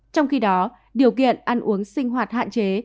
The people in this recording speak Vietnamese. trong khi đó điều kiện ăn uống sinh hoạt hạn chế